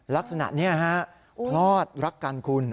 ลักษณะนี้ฮะพลอดรักกันคุณ